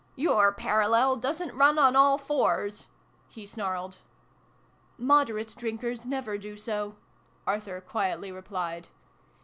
" Your parallel doesn't run on all fours !" he snarled. "Moderate drinkers never do so!" Arthur quietly replied.